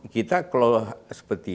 kita kalau seperti ini